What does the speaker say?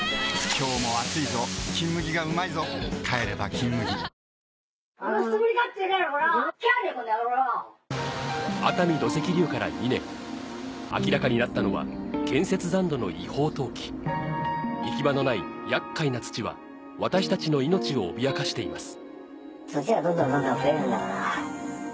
今日も暑いぞ「金麦」がうまいぞ帰れば「金麦」熱海土石流から２年明らかになったのは建設残土の違法投棄行き場のない厄介な土は私たちの命を脅かしています